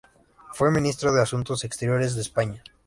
Fue ministro de Asuntos Exteriores de España.